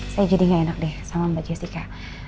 saya jadi gak enak deh sama mbak jessica